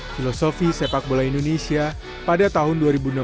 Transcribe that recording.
filosofi sepak bola indonesia pada tahun dua ribu enam belas